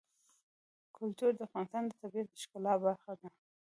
کلتور د افغانستان د طبیعت د ښکلا برخه ده.